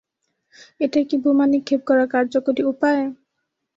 এটাই কি বোমা নিক্ষেপ করার কার্যকরী উপায়?